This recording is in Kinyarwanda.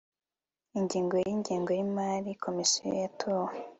ingingo y' ingengo y' imari ya komisiyo yatowe